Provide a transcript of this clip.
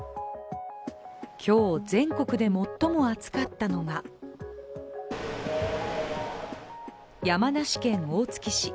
今日、全国で最も暑かったのが山梨県大月市。